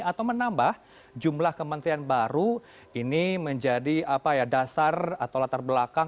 atau menambah jumlah kementerian baru ini menjadi dasar atau latar belakang